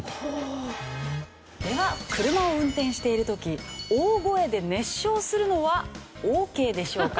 車を運転している時大声で熱唱するのはオーケーでしょうか？